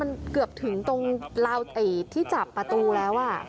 มันเกือบถึงตรงราวที่จับประตูแล้ว